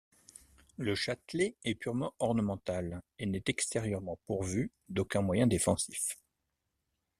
Le châtelet est purement ornemental et n'est extérieurement pourvu d'aucun moyen défensif.